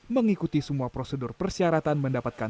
mengikuti semua prosedur persyaratan mendapatkan